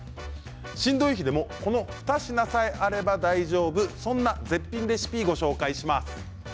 しんどい日でもこの２品さえあれば大丈夫そんな絶品レシピをご紹介します。